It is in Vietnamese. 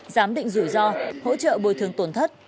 giám định rủi ro hỗ trợ bồi thường tổn thất